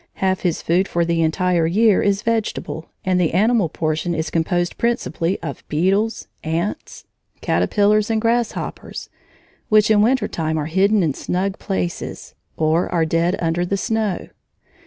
Half his food for the entire year is vegetable, and the animal portion is composed principally of beetles, ants, caterpillars, and grasshoppers, which in winter time are hidden in snug places, or are dead under the snow.